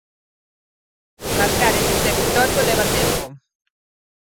Marcar ese territorio leva tempo.